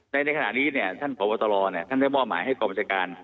ในในขณะนี้เนี้ยท่านขอบฏรเนี้ยท่านได้มอบหมายให้กรมจาการ